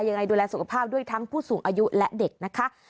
ยังไงดูแลสุขภาพด้วยทั้งผู้สูงอายุและเด็กนะคะ